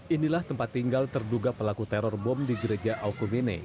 inilah tempat tinggal terduga pelaku teror bom di gereja aukubine